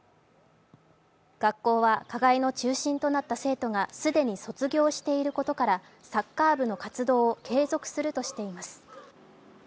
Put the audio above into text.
学校は加害の中心となった生徒が既に卒業していることからサッカー部の活動を継続するとしています。